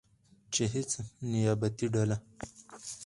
چې هیڅ نیابتي ډله